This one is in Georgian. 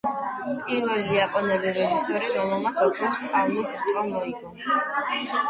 პირველი იაპონელი რეჟისორი, რომელმაც ოქროს პალმის რტო მოიგო.